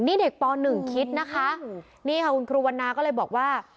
นี่เด็กป๑คิดนะคะนี่ค่ะคุณครูวันนาก็เลยบอกว่า